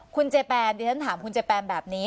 คุณเจแปนดิฉันถามคุณเจแปนแบบนี้